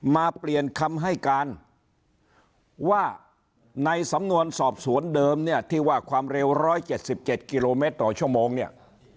มาเปลี่ยนคำให้การว่าในสำนวนสอบสวนเดิมเนี่ยที่ว่าความเร็ว๑๗๗กิโลเมตรต่อชั่วโมงเนี่ย